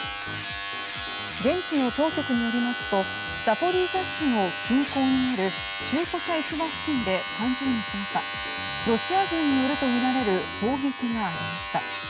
現地の当局によりますとザポリージャ市の近郊にある中古車市場付近で３０日朝ロシア軍によるとみられる砲撃がありました。